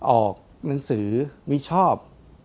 ออกหนังสือมีชอบ